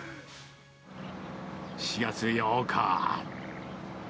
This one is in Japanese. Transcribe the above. ４月８日。